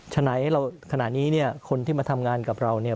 ฉะนั้นขณะนี้เนี่ยคนที่มาทำงานกับเราเนี่ย